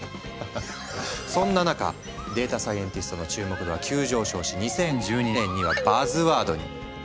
そんな中データサイエンティストの注目度は急上昇し２０１２年にはバズワードに。